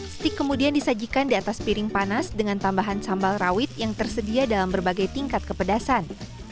stik kemudian disajikan di atas piring panas dengan tambahan sambal rawit yang tersedia dalam berbagai tingkat kepedasan